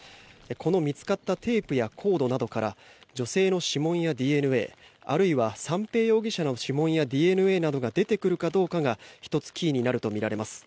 この見つかったテープやコードなどから女性の指紋やＤＮＡあるいは三瓶容疑者の指紋やＤＮＡなどが出てくるかどうかが１つ、キーになるとみられます。